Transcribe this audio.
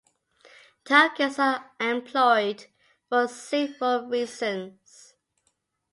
Tokens are employed for several reasons.